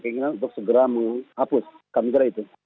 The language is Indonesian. keinginan untuk segera menghapus kami kira itu